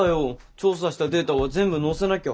調査したデータは全部載せなきゃ。